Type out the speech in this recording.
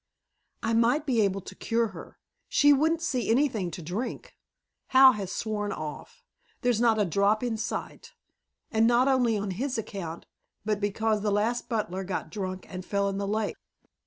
"I might be able to cure her. She wouldn't see anything to drink. Hal has sworn off. There's not a drop in sight, and not only on his account but because the last butler got drunk and fell in the lake.